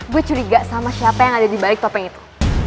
gue curiga sama siapa yang ada dibalik topeng itu